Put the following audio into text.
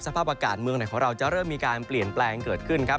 สภาพอากาศเมืองไหนของเราจะเริ่มมีการเปลี่ยนแปลงเกิดขึ้นครับ